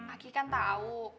aki kan tahu